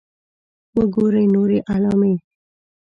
.وګورئ نورې علامې